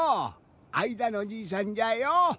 あいだのじいさんじゃよ！